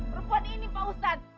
perpuan ini pak ustadz